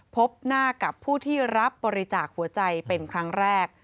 พบหน้ากับผู้ที่รับบริจาคหัวใจเป็นครั้งแรก